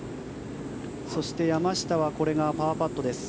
そして、山下はこれがパーパットです。